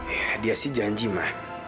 ya dia sih janji mah